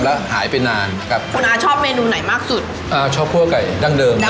แล้วหายไปนานครับคุณอาชอบเมนูไหนมากสุดอ่าชอบคั่วไก่ดั้งเดิม